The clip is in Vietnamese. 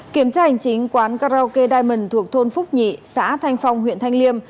kiểm tra hành chính quán karaoke diamond thuộc thôn phúc nhị xã thanh phong huyện thanh liêm